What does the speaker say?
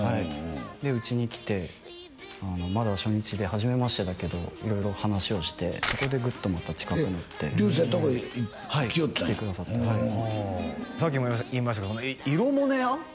家に来てまだ初日ではじめましてだけど色々話をしてそこでグッとまた近くなって流星とこに来よったんやはい来てくださったさっきも言いましたけど「イロモネア」？